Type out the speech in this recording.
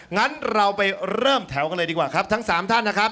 งั้นเราไปเริ่มแถวกันเลยดีกว่าครับทั้งสามท่านนะครับ